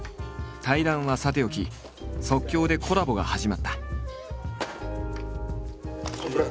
対談はさておき即興でコラボが始まった。